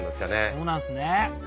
そうなんですね。